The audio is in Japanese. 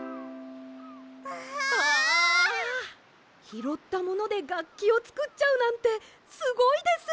ひろったものでがっきをつくっちゃうなんてすごいです！